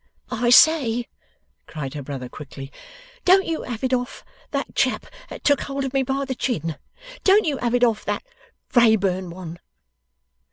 'I say!' cried her brother, quickly. 'Don't you have it of that chap that took hold of me by the chin! Don't you have it of that Wrayburn one!